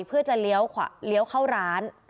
เพื่อจะเลี้ยวเข้าร้าน